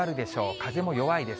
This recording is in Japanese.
風も弱いです。